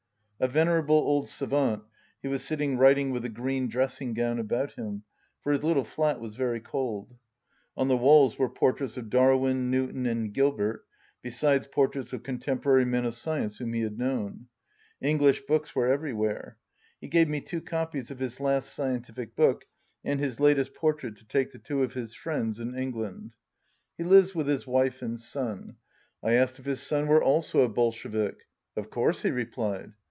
A venerable old savant, he was sitting writ ing with a green dressing gown about him, for his little flat was very cold. On the walls were por traits of Darwin, Newton and Gilbert, besides portraits of contemporary men of science whom he had known. English books were everywhere. He gave me two copies of his last scientific book and his latest portrait to take to two of his friends in England. 189 He lives with his wife and son. I asked if his son were also a Bolshevik. , "Of course," he replied.